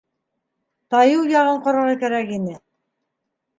Тайыу яғын ҡарарға кәрәк ине.